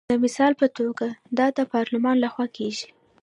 د مثال په توګه دا د پارلمان لخوا کیږي.